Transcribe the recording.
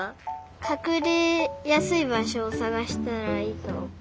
かくれやすいばしょをさがしたらいいと。